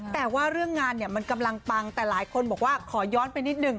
แต่ว่าเรื่องงานเนี่ยมันกำลังปังแต่หลายคนบอกว่าขอย้อนไปนิดนึง